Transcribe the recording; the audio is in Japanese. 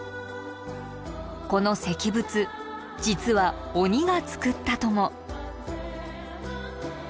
この石仏実は鬼が作ったとも。